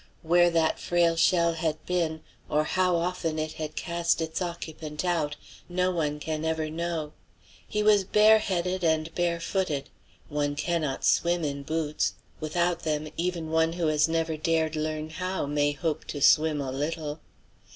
Where that frail shell had been, or how often it had cast its occupant out, no one can ever know. He was bareheaded and barefooted. One cannot swim in boots; without them, even one who has never dared learn how may hope to swim a little.